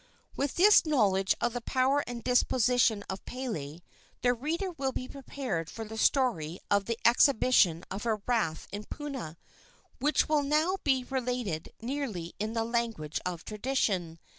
With this knowledge of the power and disposition of Pele, the reader will be prepared for the story of the exhibition of her wrath in Puna, which will now be related nearly in the language of tradition.